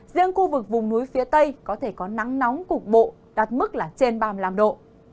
riêng khu vực vùng núi phía tây có thể có nắng nóng cục bộ đạt mức là trên ba mươi năm độ